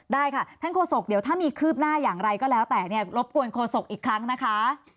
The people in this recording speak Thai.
ได้ค่ะท่านโฆษกเดี๋ยวถ้ามีคืบหน้าอย่างไรก็แล้วแต่เนี่ยรบกวนโฆษกอีกครั้งนะคะ